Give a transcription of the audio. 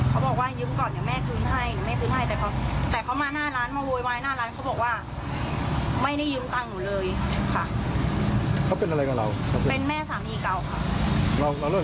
แล้วเขาก็เอามีดเข้าไปเก็บที่รถเอามีดไปเก็บที่รถแล้วก็ถือไม้หน้าสามยาวขนาดนี้